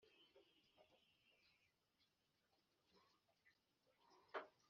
Dushingiye kandi ku iteka rya minisitiri